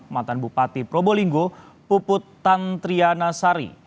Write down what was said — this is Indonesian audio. mantan bupati probolinggo puput tantriana sari